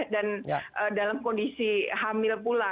dan dalam kondisi hamil pula